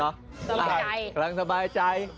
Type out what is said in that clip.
กำลังสบายใจ